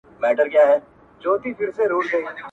پر سجده مي ارمان پروت دی ستا د ورځو ومحراب ته,